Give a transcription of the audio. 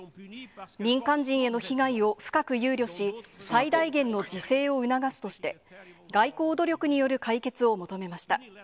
民間人への被害を深く憂慮し、最大限の自制を促すとして、外交努力による解決を求めました。